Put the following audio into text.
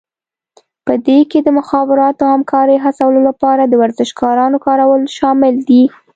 په دې کې د مخابراتو او همکارۍ هڅولو لپاره د ورزشکارانو کارول شامل دي